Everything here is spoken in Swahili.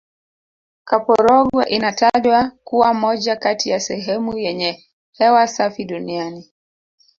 kaporogwe inatajwa kuwa moja kati ya sehemu yenye hewa safi duniani